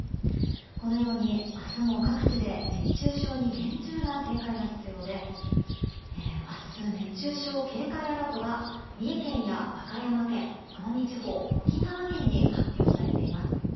このように、明日も各地で熱中症に厳重な警戒が必要で明日、熱中症警戒アラートが三重県や和歌山県、奄美地方沖縄県に発表されています。